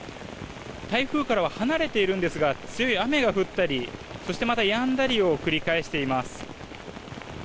台風からは離れているんですが強い雨が降ったりそしてまたやんだりを繰り返しています。